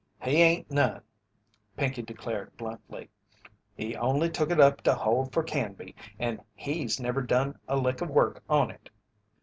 "He ain't none," Pinkey declared, bluntly. "He only took it up to hold for Canby and he's never done a lick of work on it."